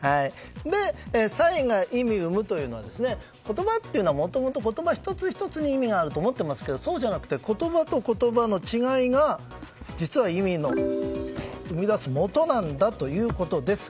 「差異が意味生む」というのは言葉というのは言葉１つ１つに意味があると思っていますけどそうではなくて言葉と言葉の違いが実は、意味を生み出すもとなんだということです。